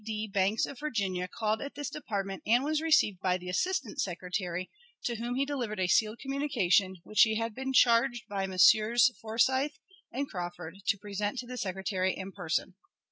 D. Banks, of Virginia, called at this department, and was received by the Assistant Secretary, to whom he delivered a sealed communication, which he had been charged by Messrs. Forsyth and Crawford to present to the Secretary in person.